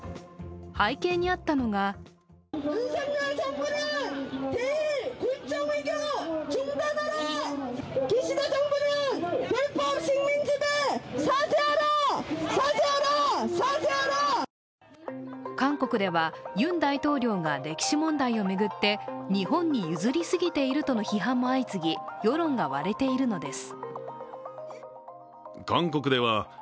背景にあったのが韓国ではユン大統領が歴史問題を巡って日本に譲りすぎているとの批判も相次ぎ世論が割れているのです。